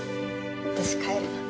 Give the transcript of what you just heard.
私帰る。